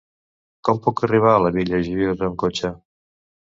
Com puc arribar a la Vila Joiosa amb cotxe?